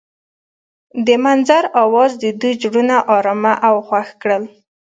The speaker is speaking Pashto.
د منظر اواز د دوی زړونه ارامه او خوښ کړل.